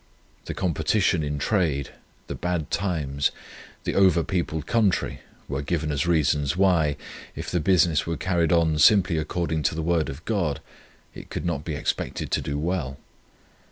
The competition in trade, the bad times, the over peopled country, were given as reasons why, if the business were carried on simply according to the word of God, it could not be expected to do well.